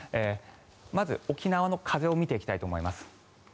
まず、沖縄の風を見ていきたいと思います。